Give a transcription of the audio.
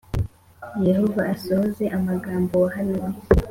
Yehova asohoze amagambo wahanuye